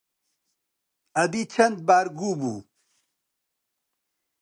ئەدی چەند بار گوو بوو؟